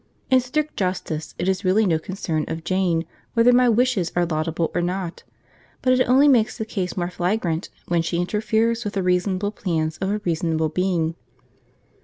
In strict justice, it is really no concern of Jane whether my wishes are laudable or not; but it only makes the case more flagrant when she interferes with the reasonable plans of a reasonable being.